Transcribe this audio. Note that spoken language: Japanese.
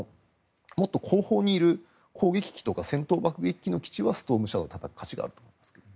もっと後方にいる攻撃機とか戦闘爆撃機はストームシャドーでたたく価値があると思いますが。